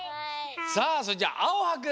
さあそれじゃあおはくん。